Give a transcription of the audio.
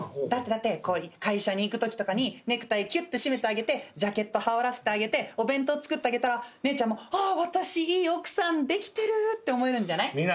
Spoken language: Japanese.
だってだって会社に行くときとかにネクタイきゅっと締めてあげてジャケット羽織らせてあげてお弁当作ってあげたら姉ちゃんもあ私いい奥さんできてるって思えるんじゃない？